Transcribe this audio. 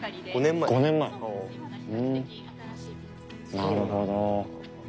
なるほど。